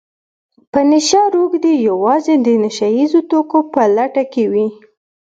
په نشه روږدي يوازې د نشه يیزو توکو په لټه کې وي